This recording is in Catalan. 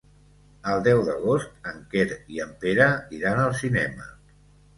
El deu d'agost en Quer i en Pere iran al cinema.